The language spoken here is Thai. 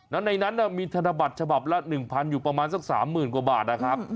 แล้วในนั้นมีธนบัตรฉบับละ๑๐๐อยู่ประมาณสัก๓๐๐๐กว่าบาทนะครับ